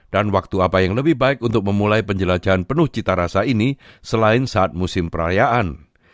dan waktu apa yang lebih baik untuk memulai penjelajahan penuh cita rasa ini selain saat musim perayaan